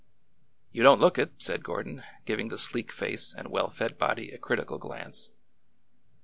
You don't look it," said Gordon, giving the sleek face and well fed body a critical glance.